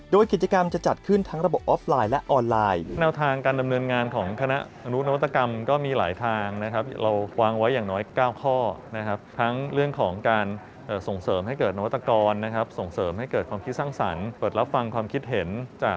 โดยกิจกรรมจะจัดขึ้นทั้งระบบออฟไลน์และออนไลน์